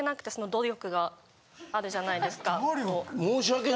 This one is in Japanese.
・努力